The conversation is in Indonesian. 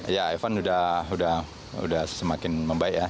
ya evan sudah semakin membaik ya